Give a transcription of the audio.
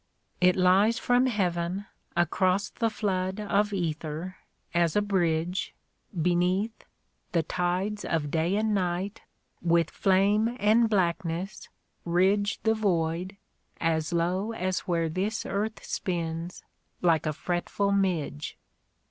It lies from Heaven, across the flood Of ether, as a bridge. Beneath, the tides of day and night With flame and blackness ridge The void, as low as where this earth Spins like a fretful midge.